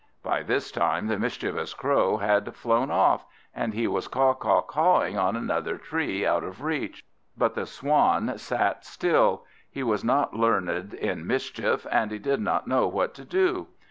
By this time the mischievous Crow had flown off, and he was caw caw cawing on another tree, out of reach. But the Swan sat still: he was not learned in mischief, and he did not know what to do.